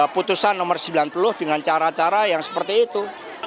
putusan nomor sembilan puluh dengan cara cara yang seperti itu